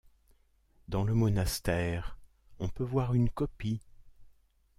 Dans le monastère, on peut voir une copie.